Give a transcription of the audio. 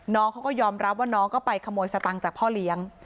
น้องเขาก็ยอมรับว่าน้องก็ไปขโมยสตังค์จากพ่อเลี้ยง